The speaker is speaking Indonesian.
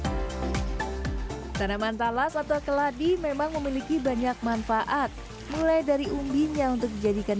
hai tanaman talas atau keladi memang memiliki banyak manfaat mulai dari undinya untuk dijadikan